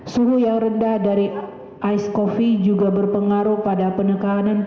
suhu yang rendah dari ais kopi juga berpengaruh pada penekanan penguapan gas hcn